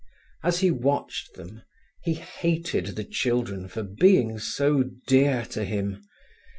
As he watched them, he hated the children for being so dear to him.